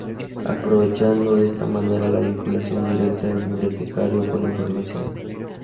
Aprovechando, de esta manera la vinculación directa del bibliotecario con la información.